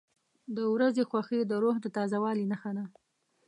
• د ورځې خوښي د روح د تازه والي نښه ده.